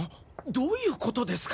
どういう事ですか？